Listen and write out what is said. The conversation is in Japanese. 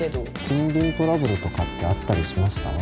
近隣トラブルとかってあったりしました？